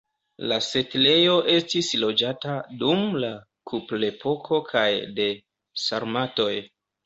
La setlejo estis loĝata dum la kuprepoko kaj de sarmatoj.